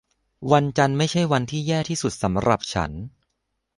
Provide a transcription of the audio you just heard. วันจันทร์ไม่ใช่วันที่แย่ที่สุดสำหรับฉัน